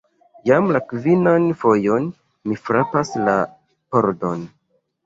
Jam la kvinan fojon mi frapas la pordon!